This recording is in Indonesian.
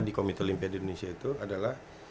di komite olimpia di indonesia itu adalah